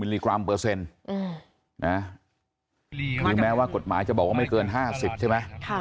ลิกรัมเปอร์เซ็นต์หรือแม้ว่ากฎหมายจะบอกว่าไม่เกิน๕๐ใช่ไหม